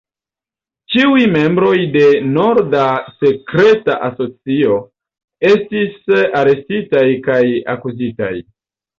Ĉiuj membroj de "Norda Sekreta Asocio" estis arestitaj kaj akuzitaj.